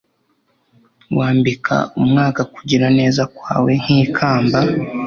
Wambika umwaka kugira neza kwawe nkikamba